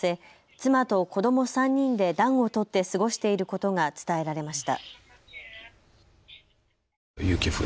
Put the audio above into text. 妻と子ども３人で暖を取って過ごしていることが伝えられました。